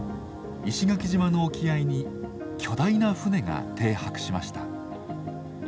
石垣島の沖合に巨大な船が停泊しました。